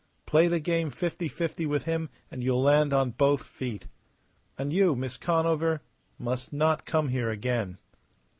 Play the game fifty fifty with him and you'll land on both feet. And you, Miss Conover, must not come here again."